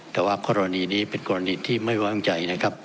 แต่ว่ากรณีนี้เป็นกรณีที่ไม่วางใจนะครับ